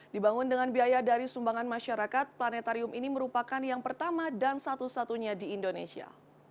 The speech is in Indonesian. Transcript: dibangun dengan biaya dari sumbangan masyarakat planetarium ini merupakan yang pertama dan satu satunya di indonesia